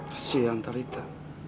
kasih ya antalita